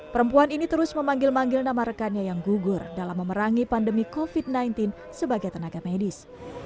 perempuan ini terus memanggil manggil nama rekannya yang gugur dalam memerangi pandemi covid sembilan belas sebagai tenaga medis